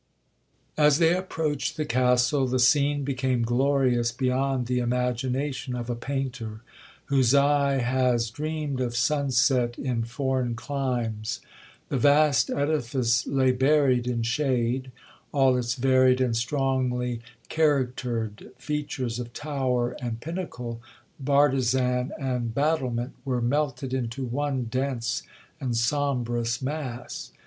'As they approached the Castle, the scene became glorious beyond the imagination of a painter, whose eye has dreamed of sun set in foreign climes. The vast edifice lay buried in shade,—all its varied and strongly charactered features of tower and pinnacle, bartizan and battlement, were melted into one dense and sombrous mass.